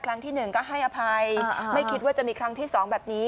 ครั้งที่หนึ่งก็ให้อภัยไม่คิดว่าจะมีครั้งที่สองแบบนี้